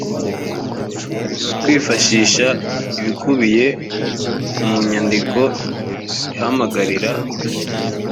kwifashisha ibikubiye mu nyandiko ihamagarira